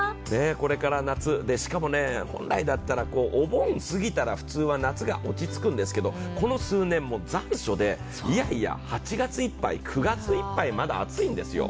これから夏、しかも本来だったらお盆過ぎたら普通は夏が落ち着くんですが、この数年、残暑でいやいや、８月いっぱい、９月いっぱい、まだ暑いんですよ。